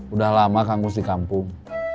udah lama kampus di kampung